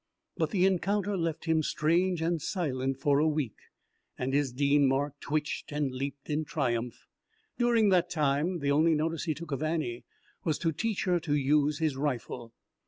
But the encounter left him strange and silent for a week, and his Dean mark twitched and leaped in triumph. During that time the only notice he took of Annie was to teach her to use his rifle.